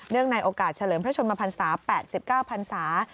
ในโอกาสเฉลิมพระชนมพันศา๘๙พันศา